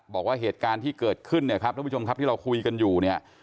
บอกว่าเหตุการณ์ที่เกิดขึ้นท่านผู้ชมครับที่เราคุยกันอยู่